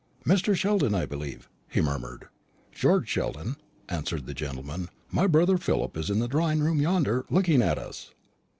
"Mr. Sheldon, I believe?" he murmured. "George Sheldon," answered that gentleman; "my brother Philip is in the drawing room yonder, looking at us."